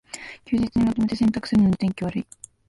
休日にまとめて洗濯するのに天気悪い